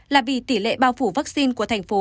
là vì tỷ lệ bao phủ vaccine của thành phố